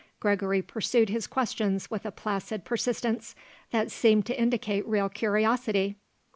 Gregory pursued his questions with a placid persistence that seemed to indicate real curiosity.